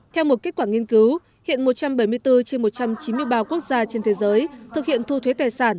theo một kết quả nghiên cứu hiện một trăm bảy mươi bốn trên một trăm chín mươi ba quốc gia trên thế giới thực hiện thu thuế tài sản